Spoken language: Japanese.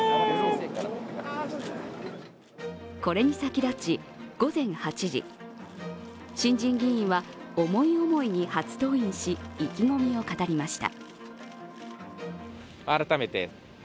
これに先立ち、午前８時、新人議員は思い思いに初登院し、意気込みを語りました。